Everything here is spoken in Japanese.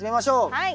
はい。